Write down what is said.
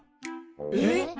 えっ？